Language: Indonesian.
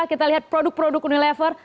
kita lihat produk produk unilever